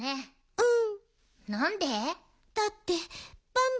うん。